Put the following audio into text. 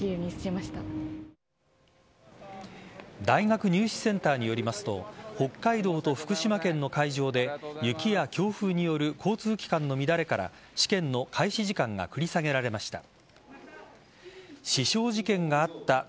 大学入試センターによりますと北海道と福島県の会場で雪や強風による交通機関の乱れから試験の開始時間が繰り下げられました。